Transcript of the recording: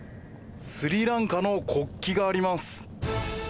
スリランカの国旗があります。